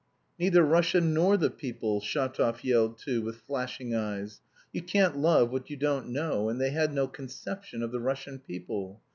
"Neither Russia nor the people!" Shatov yelled too, with flashing eyes. "You can't love what you don't know and they had no conception of the Russian people.